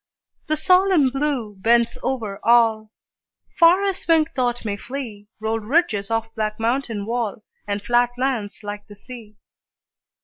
The solemn Blue bends over all; Far as winged thought may flee Roll ridges of black mountain wall, And flat sands like the sea.